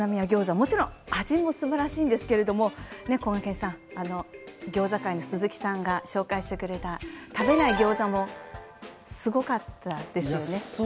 もちろん味もすばらしいんですけれどもこがけんさん餃子会の鈴木さんが紹介してくれた食べないギョーザもすごかったですよね。